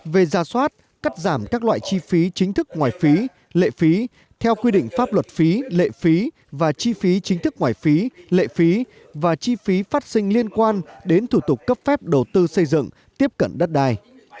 về ra soát cắt giảm các loại chi phí chính thức ngoài phí lệ phí theo quy định pháp luật phí lệ phí và chi phí chính thức ngoài phí lệ phí và chi phí phát sinh liên quan đến thủ tục cấp phép đầu tư xây dựng tiếp cận đất đai